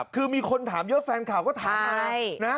คือมีคนถามเยอะแฟนข่าวก็ถามนะ